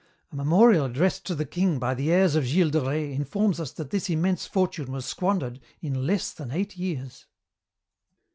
A memorial addressed to the king by the heirs of Gilles de Rais informs us that this immense fortune was squandered in less than eight years.